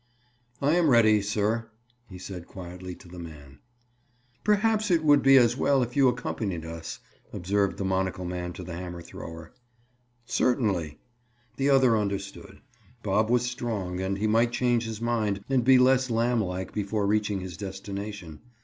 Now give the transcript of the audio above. "I am ready, sir," he said quietly to the monocle man. "Perhaps it would be as well if you accompanied us," observed the monocle man to the hammer thrower. "Certainly." The other understood. Bob was strong and he might change his mind and be less lamblike before reaching his destination.